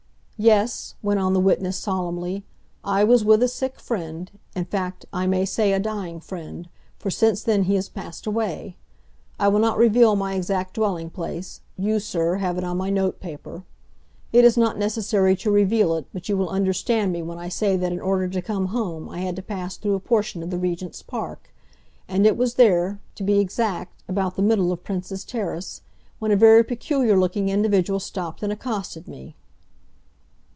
"Yes," went on the witness solemnly, "I was with a sick friend—in fact, I may say a dying friend, for since then he has passed away. I will not reveal my exact dwelling place; you, sir, have it on my notepaper. It is not necessary to reveal it, but you will understand me when I say that in order to come home I had to pass through a portion of the Regent's Park; and it was there—to be exact, about the middle of Prince's Terrace—when a very peculiar looking individual stopped and accosted me."